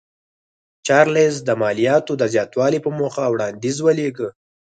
چارلېز د مالیاتو د زیاتولو په موخه وړاندیز ولېږه.